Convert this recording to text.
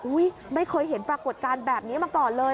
ไม่เคยเห็นปรากฏการณ์แบบนี้มาก่อนเลย